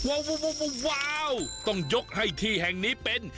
ว้าวต้องยกให้ที่แห่งนี้เป็น